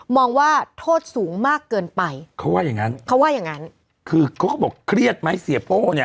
มองว่าโทษสูงมากเกินไปเขาว่าอย่างนั้นคือเขาบอกเครียดไหมเสียโป้เนี่ย